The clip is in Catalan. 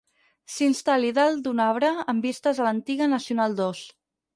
S'instal·li dalt d'un arbre amb vistes a l'antiga nacional dos.